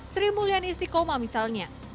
sri mulyani istiqomah misalnya